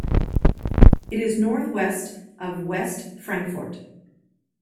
It is northwest of West Frankfort.